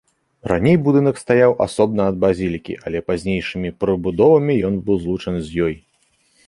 Раней будынак стаяў асобна ад базілікі, але пазнейшымі прыбудовамі ён быў злучаны з ёй.